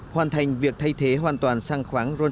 hoàn thành việc thay thế hoàn toàn xăng khoáng ron chín mươi hai